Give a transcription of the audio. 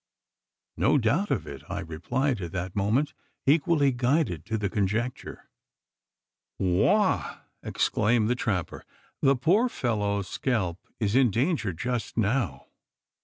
"No doubt of it," I replied, at that moment equally guided to the conjecture. "Wagh!" exclaimed the trapper, "the poor fellow's scalp is in danger just now.